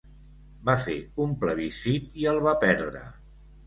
Va fer un plebiscit i el va perdre.